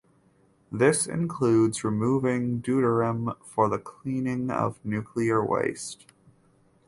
This includes removing deuterium for the cleaning of nuclear waste.